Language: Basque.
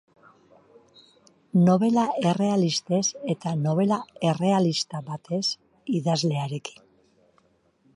Nobela errealistez eta nobela errealista batez idazlearekin.